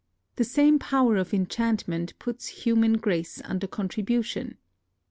The same power of enchantment puts human grace under contribution.